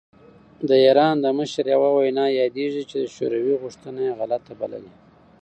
د ایران د مشر یوه وینا یادېږي چې د شوروي غوښتنه یې غلطه بللې.